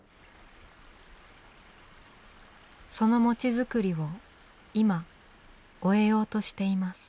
その餅作りを今終えようとしています。